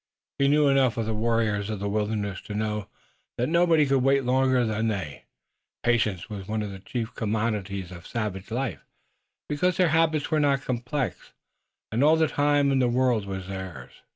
He knew enough of the warriors of the wilderness to know that nobody could wait longer than they. Patience was one of the chief commodities of savage life, because their habits were not complex, and all the time in the world was theirs.